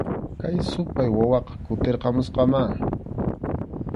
Kay supay wawaqa kutirqamusqamá